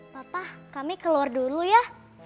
papa kami keluar dulu ya